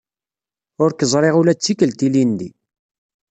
Ur k-ẓriɣ ula d tikelt ilindi.